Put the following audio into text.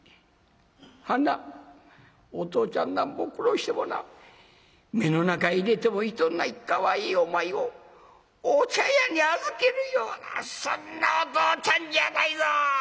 ハナお父ちゃんなんぼ苦労してもな目の中入れても痛うないかわいいお前をお茶屋に預けるようなそんなお父ちゃんじゃないぞ！